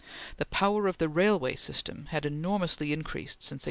The power of the railway system had enormously increased since 1870.